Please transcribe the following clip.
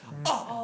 あっ。